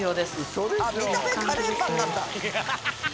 見た目カレーパンになった。